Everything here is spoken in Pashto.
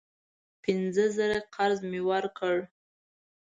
پینځه زره قرض مې ورکړ.